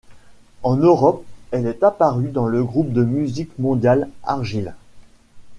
En Europe elle est apparue dans le groupe de musique mondiale Argile.